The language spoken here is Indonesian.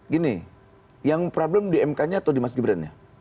gini yang problem di mk nya atau di mas gibran nya